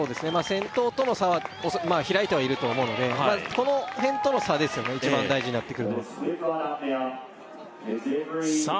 先頭との差は開いてはいると思うのでこの辺との差ですよね一番大事になってくるのはさあ